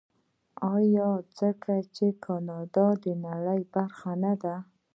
آیا ځکه چې کاناډا د نړۍ برخه نه ده؟